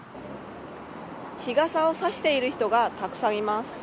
日傘を差している人がたくさんいます。